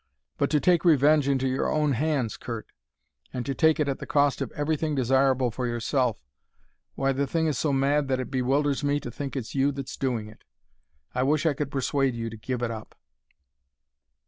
But to take revenge into your own hands, Curt, and to take it at the cost of everything desirable for yourself why, the thing is so mad that it bewilders me to think it's you that's doing it. I wish I could persuade you to give it up."